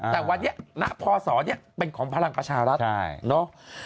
แต่วันนี้หน้าพอสอนี่เป็นของพลังประชารัฐใช่เนาะ